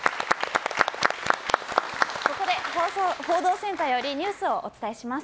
ここで報道センターよりニュースをお伝えします。